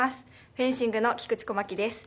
フェンシングの菊池小巻です。